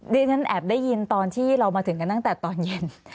เรียนแอบได้ยินตอนที่เรามาถึงกันตั้งแต่ตอนเย็น